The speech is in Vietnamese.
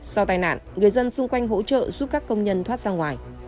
sau tai nạn người dân xung quanh hỗ trợ giúp các công nhân thoát ra ngoài